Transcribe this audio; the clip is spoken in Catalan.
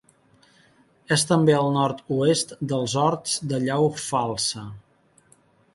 És també al nord-oest dels Horts de Llau Falsa.